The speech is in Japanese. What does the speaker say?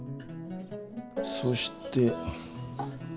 そして。